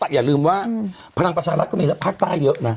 อย่าลืมว่าพลังประชารัฐก็มีแล้วภาคใต้เยอะนะ